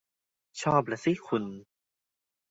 ชอบล่ะสิคุณ